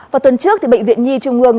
và tuần trước bệnh viện nhi trung ương